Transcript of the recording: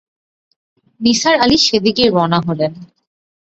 নিসার আলি সেদিকেই রওনা হলেন।